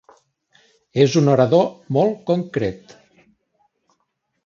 És un orador molt concret.